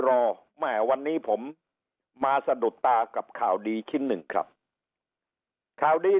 แหมวันนี้ผมมาสะดุดตากับข่าวดีชิ้นหนึ่งครับข่าวดี